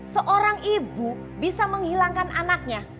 seorang ibu bisa menghilangkan anaknya